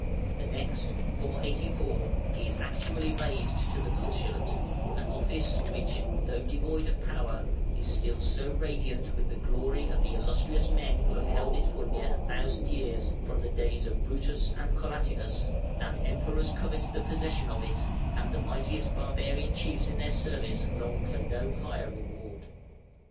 The next (484) he is actually raised to the Consulate, an office which, though devoid of power, is still so radiant with the glory of the illustrious men who have held it for near a thousand years, from the days of Brutus and Collatinus, that Emperors covet the possession of it and the mightiest barbarian chiefs in their service long for no higher reward.